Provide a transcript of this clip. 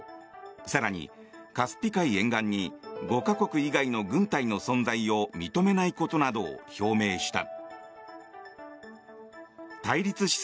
更に、カスピ海沿岸に５か国以外の軍隊の存在を認めないことなどを表明した。